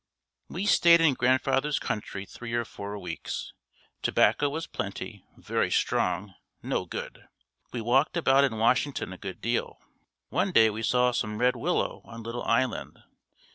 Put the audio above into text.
"We stayed in grandfather's country three or four weeks. Tobacco was plenty, very strong, no good! We walked about in Washington a good deal. One day we saw some red willow on little island.